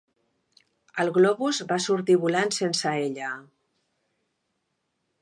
El globus va sortir volant sense ella.